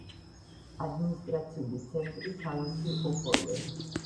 ადმინისტრაციული ცენტრი ქალაქი ოპოლე.